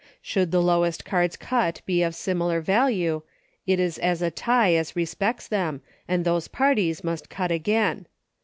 Should the lowest cards cut be of similar value, it is a tie as respects them, and those parties must cut again.